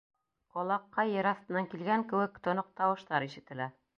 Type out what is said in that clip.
Ҡолаҡҡа, ер аҫтынан килгән кеүек, тоноҡ тауыштар ишетелә.